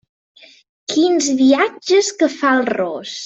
Quins viatges que fa el ros!